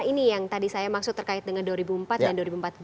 ini yang tadi saya maksud terkait dengan dua ribu empat dan dua ribu empat belas